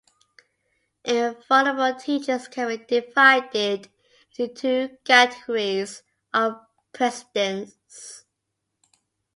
Infallible teachings can be divided into two categories of precedence.